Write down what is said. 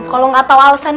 kalau gak tau alasannya